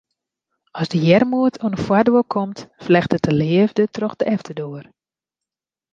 As de earmoed oan 'e foardoar komt, flechtet de leafde troch de efterdoar.